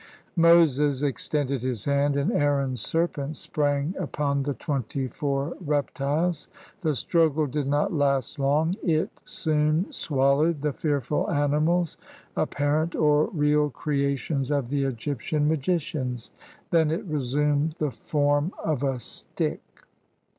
Moses extended his hand, and Aaron's serpent sprang upon the twenty four reptiles. The struggle did not last long; it soon swallowed the fearful animals, appar ent or real creations of the Egyptian magicians; then it resumed the form of a stick.